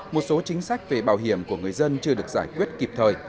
một số chính sách về bảo hiểm của người dân chưa được giải quyết kịp thời